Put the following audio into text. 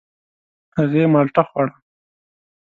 هغې مالټه خوړه.